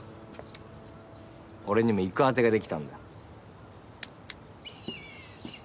俺にも行く当てができたんだ。